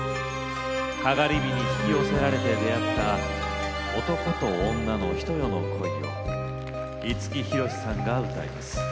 かがり火に引き寄せられて出会った男と女のひと夜の恋を五木ひろしさんが歌います。